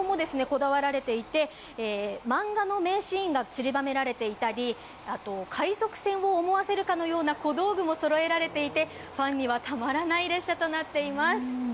漫画の名シーンがちりばめられていたり、海賊船を思わせるような小道具もそろえられていてファンにはたまらない列車となっています。